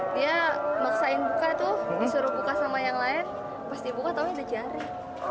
dia maksain buka tuh disuruh buka sama yang lain pas dibuka taunya ada jari